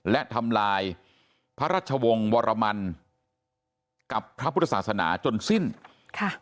และทำลายพระราชวงศ์วรมันกับพระพุทธศาสนาจนสิ้นค่ะ